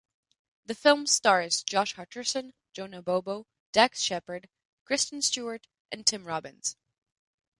The film stars Josh Hutcherson, Jonah Bobo, Dax Shepard, Kristen Stewart, and Tim Robbins.